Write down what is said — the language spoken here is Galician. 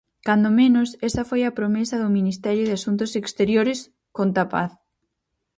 Cando menos esa foi a promesa do Ministerio de Asuntos Exteriores, conta Paz.